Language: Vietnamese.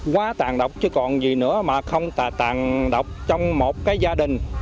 quá tàn độc chứ còn gì nữa mà không tàn độc trong một gia đình